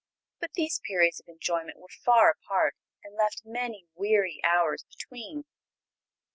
But these periods of enjoyment were far apart, and left many weary hours between.